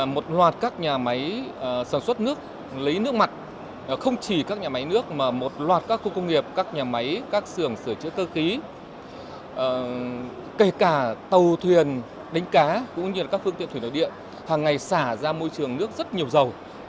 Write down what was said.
một loạt các nhà máy sản xuất nước lấy nước mặt không chỉ các nhà máy nước mà một loạt các khu công nghiệp các nhà máy các sưởng sửa chữa cơ khí kể cả tàu thuyền đánh cá cũng như các phương tiện thủy nội địa hàng ngày xả ra môi trường nước rất nhiều dầu